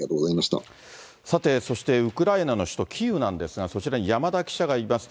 さて、そしてウクライナの首都キーウなんですが、そちら、山田記者がいます。